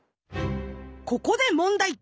ここで問題。